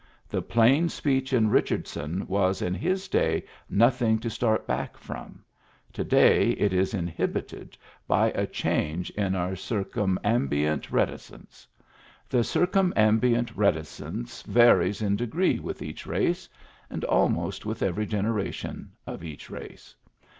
The plain speech in Richardson was in his day nothing to start back from ; to day it is inhibited by a change in our circumambient reticence. Digitized by VjOOQIC 20 PREFACE The circumambient reticence varies in degree with each race, and almost with every generation of each race.